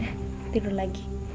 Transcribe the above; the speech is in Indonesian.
dahl tidur lagi